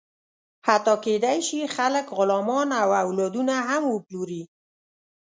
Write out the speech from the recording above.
حتی کېدی شي، خلک غلامان او اولادونه هم وپلوري.